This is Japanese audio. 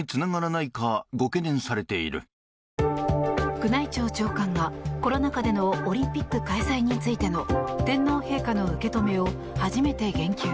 宮内庁長官がコロナ禍でのオリンピック開催についての天皇陛下の受け止めを初めて言及。